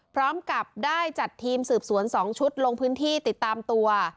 พร้อมกับได้จัดทีมสืบสวน๒ชุดลงพื้นที่ติดตามตัว